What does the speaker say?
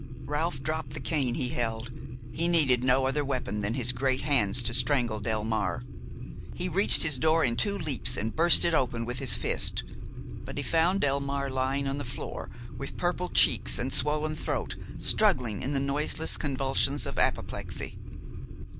Ralph dropped the cane he held; he needed no other weapons than his great hands to strangle Delmare. He reached his door in two leaps and burst it open with his fist. But he found Delmare lying on the floor, with purple cheeks and swollen throat, struggling in the noiseless convulsions of apoplexy.